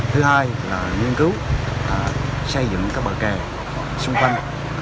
thứ hai là nghiên cứu xây dựng các bờ kè xung quanh